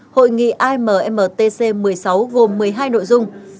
hội nghị ammtc một mươi sáu gồm một mươi hai nội dung